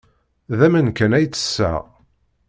D aman kan ay ttesseɣ.